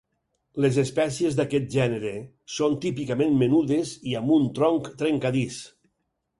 Les espècies d'aquest gènere són típicament menudes i amb un tronc trencadís.